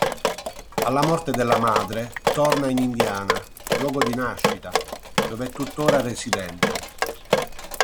Alla morte della madre torna in Indiana, luogo di nascita, dove è tuttora residente.